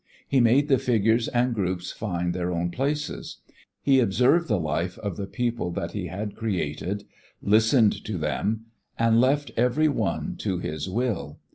He made the figures and groups find their own places; he observed the life of the people that he had created, listened to them and left every one to his will.